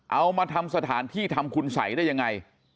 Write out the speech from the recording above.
เอามาทำสถานที่ทำคุณสัยได้ยังไง